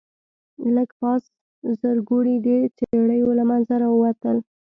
لږ پاس زرکوړي د څېړيو له منځه راووتل.